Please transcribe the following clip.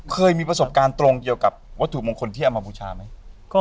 เคยมีประสบการณ์ตรงเกี่ยวกับวัตถุมงคลที่เอามาบูชาไหม